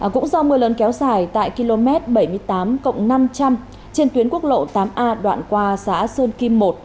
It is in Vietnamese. cũng do mưa lớn kéo dài tại km bảy mươi tám năm trăm linh trên tuyến quốc lộ tám a đoạn qua xã sơn kim một